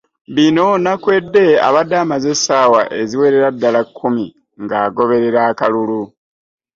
Bino Nakweede abadde amaze essaawa eziwerera ddala kkumi ng'agoberera akalulu